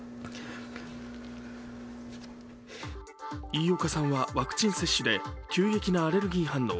飯岡さんはワクチン接種で急激なアレルギー反応